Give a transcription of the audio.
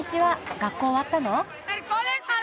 学校終わったの？